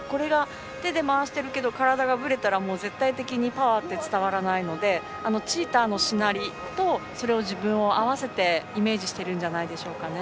手で回しているけど体がぶれたら絶対的にパワーって伝わらないのでチーターのしなりと自分を合わせてイメージしているんではないでしょうか。